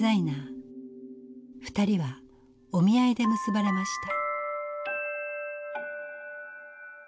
二人はお見合いで結ばれました。